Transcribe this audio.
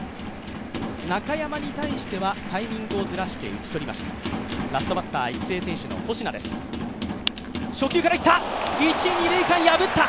中山に対してはタイミングをずらして打ち取りました。